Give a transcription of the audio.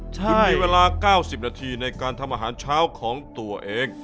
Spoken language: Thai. คุณมีเวลา๙๐นาทีในการทำอาหารเช้าของตัวเอง